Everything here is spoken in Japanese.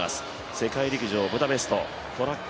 世界陸上ブダペスト、トラック